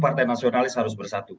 partai nasionalis harus bersatu